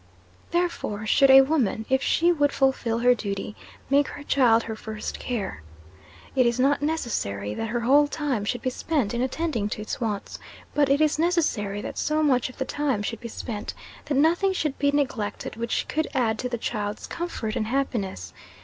Therefore should a woman, if she would fulfil her duty, make her child her first care. It is not necessary that her whole time should be spent in attending to its wants; but it is necessary that so much of the time should be spent, that nothing should be neglected which could add to the child's comfort and happiness.